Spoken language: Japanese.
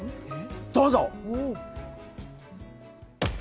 どうぞ。